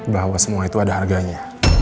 bahwa semua itu ada harganya